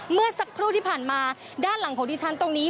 เมื่อสักครู่ที่ผ่านมาด้านหลังของดิฉันตรงนี้